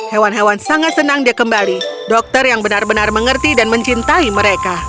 hewan hewan sangat senang dia kembali dokter yang benar benar mengerti dan mencintai mereka